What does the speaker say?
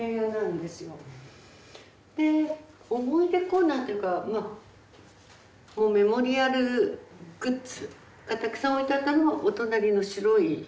で思い出コーナーというかまあもうメモリアルグッズがたくさん置いてあったのはお隣の白いお部屋で。